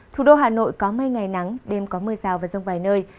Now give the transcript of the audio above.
thủ đô hà nội có mây ngày nắng đêm có mưa rào và rông vài nơi